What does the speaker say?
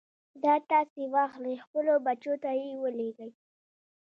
دا تاسې واخلئ خپلو بچو ته يې ولېږئ.